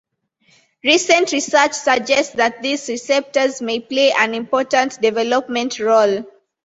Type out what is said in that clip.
Recent research suggests that these receptors may play an important developmental role.